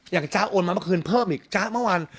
จ๊ะโอนมาเมื่อคืนเพิ่มอีกจ๊ะเมื่อวาน